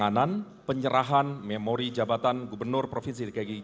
penanda tanganan penyerahan memori jabatan gubernur provinsi ligegi jakarta tahun dua ribu dua puluh satu